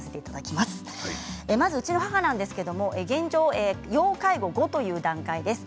まずうちの母なんですけれど現状、要介護５という段階です。